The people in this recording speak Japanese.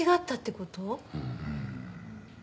うん。